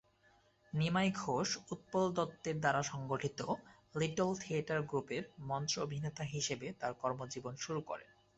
নিমাই ঘোষ উৎপল দত্তের দ্বারা সংগঠিত "লিটল থিয়েটার গ্রুপের" মঞ্চ অভিনেতা হিসেবে তাঁর কর্মজীবন শুরু করেন।